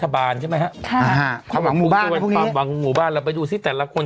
วันความหวังหมู่บ้านเราไปดูซิแต่ละคน